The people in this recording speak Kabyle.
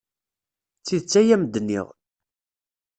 D tidet ay am-d-nniɣ.